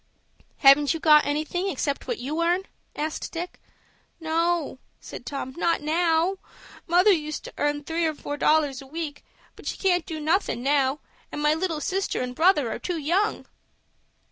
"Haven't you got anything except what you earn?" asked Dick. "No," said Tom, "not now. Mother used to earn three or four dollars a week; but she can't do nothin' now, and my little sister and brother are too young."